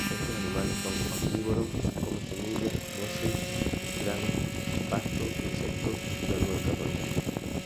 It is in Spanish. Estos animales son omnívoros; comen semillas, nueces, granos, pasto, insectos y algo de carroña.